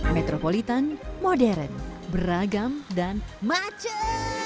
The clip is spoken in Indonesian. metropolitan modern beragam dan macet